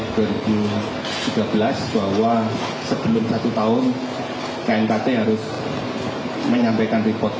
bahwa sebelum satu tahun knkt harus menyampaikan report